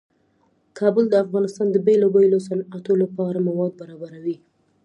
کابل د افغانستان د بیلابیلو صنعتونو لپاره مواد برابروي.